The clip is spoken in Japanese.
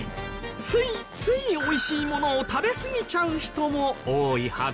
ついつい美味しいものを食べすぎちゃう人も多いはず。